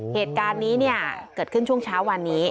เหตุการณ์นี้เนี่ยเกิดขึ้นช่วงเช้าวันนี้